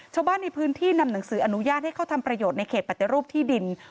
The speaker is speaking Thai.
ชาวบ้านในพื้นที่นำหนังสืออนุญาตให้เขาทำประโยชน์ในเขตปฏิรูปที่ดิน